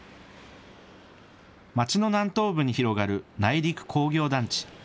町の南東部に広がる内陸工業団地。